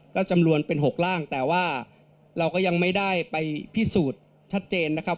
ก็จำนวนเป็น๖ร่างแต่ว่าเราก็ยังไม่ได้ไปพิสูจน์ชัดเจนนะครับ